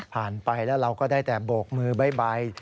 ผ่านไปแล้วเราก็ได้แต่โบกมือบ้าย